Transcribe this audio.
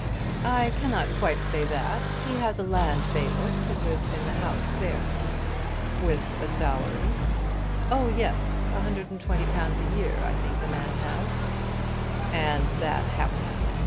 "I cannot quite say that. He has a land bailiff who lives in the house there." "With a salary?" "Oh yes; £120 a year I think the man has." "And that house?"